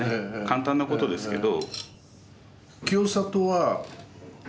簡単なことですけど。